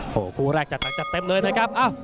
โอ้โหคู่แรกจัดหนักจัดเต็มเลยนะครับ